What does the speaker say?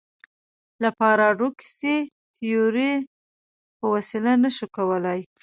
له پاراډوکسي تیوریو په وسیله نه شو کولای.